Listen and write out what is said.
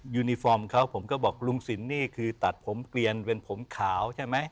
ยูนิฟอร์มเขาผมก็บอกลุงสินนี่คือตัดผมเกลียนเป็นผมขาวใช่ไหม